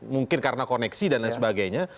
mungkin karena koneksi dan lain sebagainya